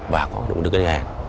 và có đủ đức án